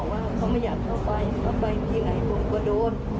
ว่าเขาไม่อยากเข้าไปเขาไปที่ไหนผมก็โดน